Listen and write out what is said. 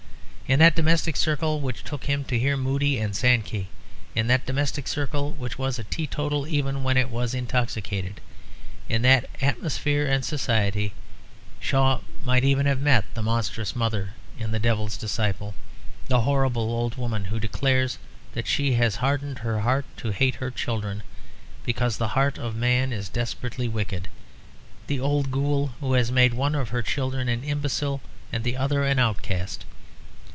In that domestic circle which took him to hear Moody and Sankey, in that domestic circle which was teetotal even when it was intoxicated, in that atmosphere and society Shaw might even have met the monstrous mother in The Devil's Disciple, the horrible old woman who declares that she has hardened her heart to hate her children, because the heart of man is desperately wicked, the old ghoul who has made one of her children an imbecile and the other an outcast.